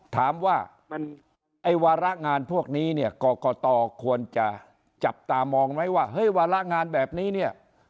ถามว่าไอ้วาระงานพวกนี้เนี่ยกรกตควรจะจับตามองไหมว่าเฮ้ยวาระงานแบบนี้เนี่ย